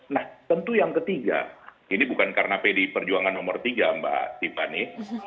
nah tentu yang ketiga ini bukan karena pdi perjuangan nomor tiga mbak tiffany